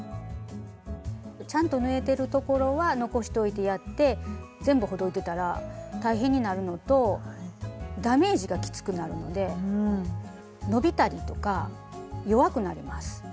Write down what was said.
ちゃんと縫えてるところは残しといてやって全部ほどいてたら大変になるのとダメージがきつくなるので伸びたりとか弱くなります。